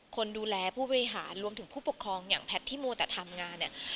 คนดูแลผู้บริหารรวมถึงผู้ปกครองอย่างแพทย์ที่มัวแต่ทำงานเนี่ย